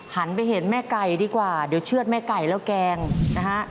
หันไปเห็นแม่ไก่ดีกว่าเดี๋ยวเชื่อดแม่ไก่แล้วแกงนะฮะ